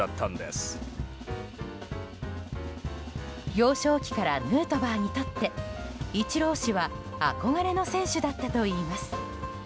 幼少期からヌートバーにとってイチロー氏は憧れの選手だったといいます。